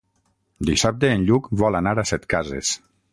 Dissabte en Lluc vol anar a Setcases.